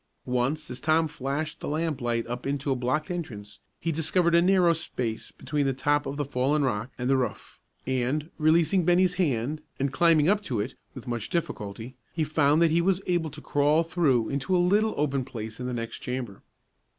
Once, as Tom flashed the lamp light up into a blocked entrance, he discovered a narrow space between the top of the fallen rock and the roof, and, releasing Bennie's hand, and climbing up to it, with much difficulty, he found that he was able to crawl through into a little open place in the next chamber.